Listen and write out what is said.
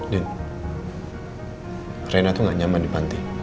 din rina tuh gak nyaman di panti